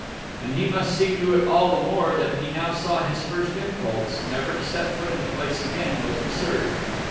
And he must see to it all the more that he now saw his first impulse, never to set foot in the place again, was absurd.